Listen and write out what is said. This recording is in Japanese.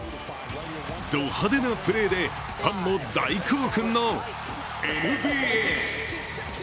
ド派手なプレーでファンも大興奮のＮＢＡ。